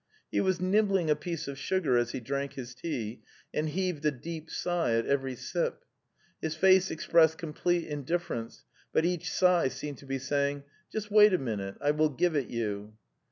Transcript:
He was nibbling a piece of sugar as he drank his tea, and heaved a deep sigh at every sip. His face ex pressed complete indifference, but each sigh seemed to be saying: "Just wait a minute; I will give it you."